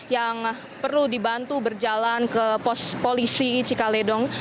yang perlu dibantu berjalan ke pos polisi cikaledong